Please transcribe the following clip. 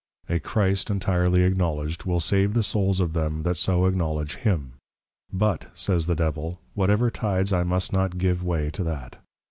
A CHRIST Entirely Acknowledged, will save the Souls of them that so Acknowledge Him; but, says the Devil, _Whatever tides I must not give way to that.